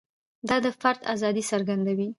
دا د فرد ازادي څرګندوي.